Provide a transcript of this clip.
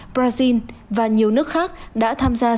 brazil và nhiều nước khác đã tham gia sự kiện